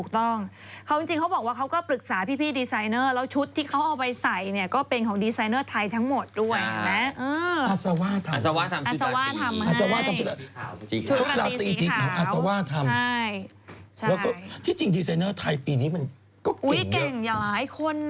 แต่งหน้าทำผมไม่แต่งเองเลยอะโอ๊ย